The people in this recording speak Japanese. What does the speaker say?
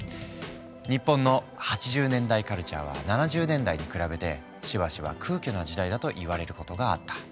日本の８０年代カルチャーは７０年代に比べてしばしば空虚な時代だと言われることがあった。